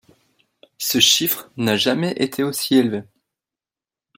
Ce chiffre n’a jamais été aussi élevé.